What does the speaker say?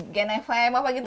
gnfm apa gitu